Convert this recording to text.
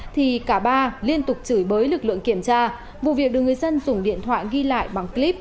thì cả ba liên tục chửi bới lực lượng kiểm tra vụ việc được người dân dùng điện thoại ghi lại bằng clip